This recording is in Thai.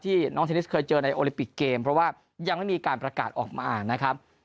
น้องเทนนิสเคยเจอในโอลิปิกเกมเพราะว่ายังไม่มีการประกาศออกมานะครับ